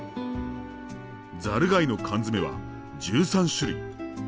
ザルガイの缶詰は１３種類。